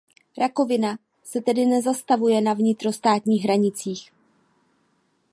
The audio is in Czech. Rakovina se tedy nezastavuje na vnitrostátních hranicích.